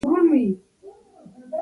دښمن د نفاق لمبه ګرځوي